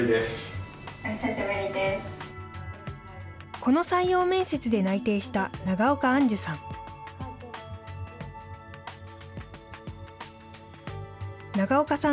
この採用面接で内定した長岡杏珠さん。